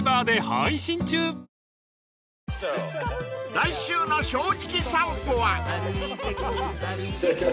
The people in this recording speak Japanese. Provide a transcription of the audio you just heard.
［来週の『正直さんぽ』は］